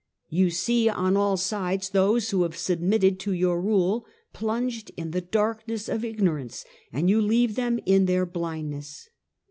You see on all sides those who have submitted to your rule plunged in the darkness of ignorance, and you leave them in their blindness."